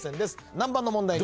何番の問題に。